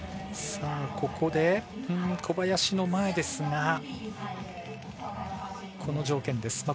ここで、小林の前ですがこの条件です。